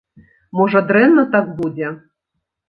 Можа, дрэнна так будзе?